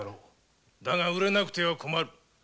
だが売れなくては困る。